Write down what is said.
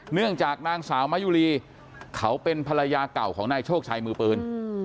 เนื่องจากนางสาวมะยุรีเขาเป็นภรรยาเก่าของนายโชคชัยมือปืน